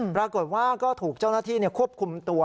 ปรากฏว่าก็ถูกเจ้าหน้าที่ควบคุมตัว